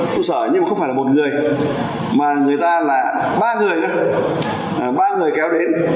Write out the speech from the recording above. trụ sở nhưng mà không phải là một người mà người ta là ba người ba người kéo đến